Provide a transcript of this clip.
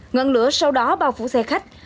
ngoạn lửa sau đó bao phủ xe khách